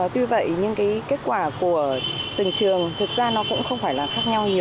tuy vậy những kết quả của từng trường thực ra nó cũng không phải là khác nhau nhiều